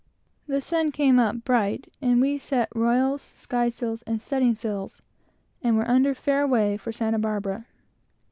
The sun came up bright, and we set royals, skysails, and studding sails, and were under fair way for Santa Barbara.